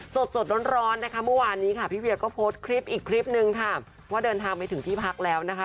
สดสดร้อนนะคะเมื่อวานนี้ค่ะพี่เวียก็โพสต์คลิปอีกคลิปนึงค่ะว่าเดินทางไปถึงที่พักแล้วนะคะ